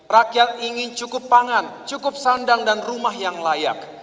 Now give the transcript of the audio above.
rakyat ingin cukup pangan cukup sandang dan rumah yang layak